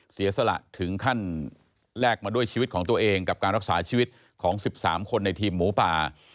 เสียสละถึงขั้นแลกมาด้วยชีวิตของตัวเองกับการรักษาชีวิตของ๑๓คนในทีมหมูป่า